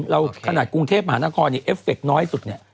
ขนาดกรุงเทพมหานครเนี่ยเอฟเฟคน้อยสุดเนี่ย